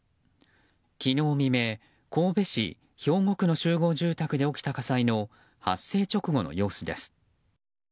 昨日未明、神戸市兵庫区の集合住宅で起きた火災の発生直後の様子です。